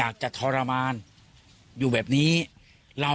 คุณสังเงียมต้องตายแล้วคุณสังเงียม